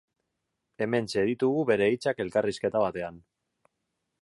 Hementxe ditugu bere hitzak elkarrizketa batean.